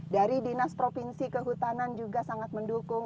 dari dinas provinsi kehutanan juga sangat mendukung